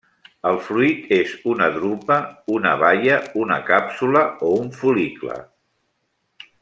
El fruit és una drupa, una baia, una càpsula o un fol·licle.